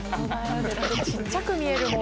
だって小っちゃく見えるもん